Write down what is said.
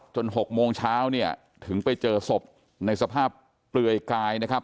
๖โมงเช้าเนี่ยถึงไปเจอศพในสภาพเปลือยกายนะครับ